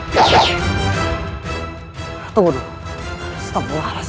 tunggu dulu setelah berhasil